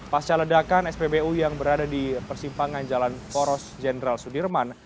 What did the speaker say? pasca ledakan spbu yang berada di persimpangan jalan poros jenderal sudirman